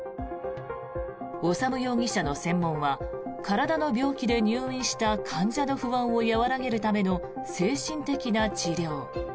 修容疑者の専門は体の病気で入院した患者の不安を和らげるための精神的な治療。